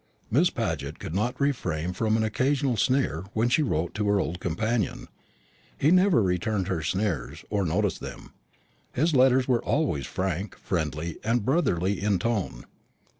Miss Paget could not refrain from an occasional sneer when she wrote to her old companion. He never returned her sneers, or noticed them. His letters were always frank, friendly, and brotherly in tone.